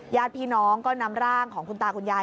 ญาติพี่น้องก็นำร่างของคุณตาคุณยาย